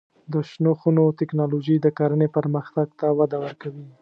د شنو خونو تکنالوژي د کرنې پرمختګ ته وده ورکوي.